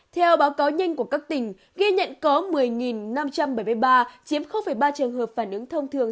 theo báo cáo nhanh của các tỉnh ghi nhận có một mươi năm trăm bảy mươi ba chiếm ba trường hợp phản ứng thông thường